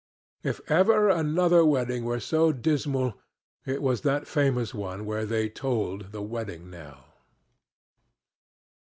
If ever another wedding were so dismal, it was that famous one where they tolled the wedding knell.